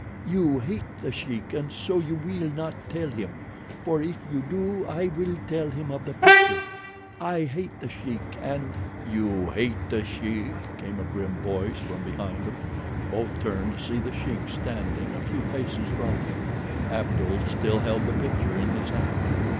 You hate The Sheik and so you will not tell him, for if you do I will tell him of the picture. I hate The Sheik, and—" "You hate The Sheik?" came a grim voice from behind them. Both turned to see The Sheik standing a few paces from them. Abdul still held the picture in his hand.